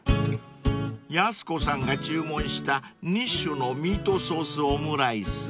［やす子さんが注文した２種のミートソースオムライス］